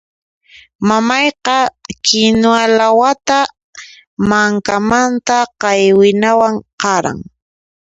Mamayqa kinuwa lawata mankamanta qaywinawan qaran.